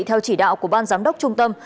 theo chỉ đạo của ban giám đốc trung tâm